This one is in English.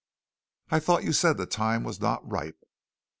"I thought you said the time was not ripe?"